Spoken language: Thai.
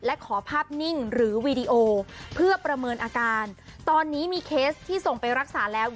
และขอภาพนิ่งหรือวีดีโอเพื่อประเมินอาการตอนนี้มีเคสที่ส่งไปรักษาแล้ว